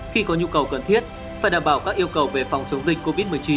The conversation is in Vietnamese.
khi có nhu cầu cần thiết phải đảm bảo các yêu cầu về phòng chống dịch covid một mươi chín